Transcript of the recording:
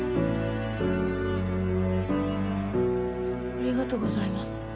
ありがとうございます。